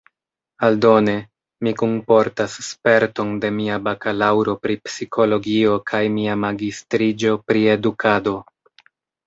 Aldone, mi kunportas sperton de mia bakalaŭro pri psikologio kaj mia magistriĝo pri edukado.